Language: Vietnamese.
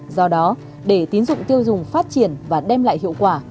do đó để tín dụng tiêu dùng phát triển và đem lại hiệu quả